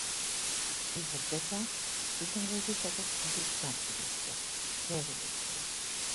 იზრდება მდინარეებისა და ტბების ნაპირებზე, მდელოებზე.